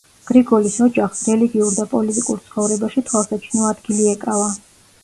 გრიგოლის ოჯახს რელიგიურ და პოლიტიკურ ცხოვრებაში თვალსაჩინო ადგილი ეკავა.